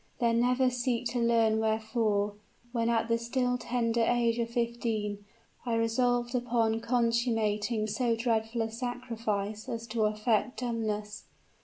Then never seek to learn wherefore, when at the still tender age of fifteen, I resolved upon consummating so dreadful a sacrifice as to affect dumbness.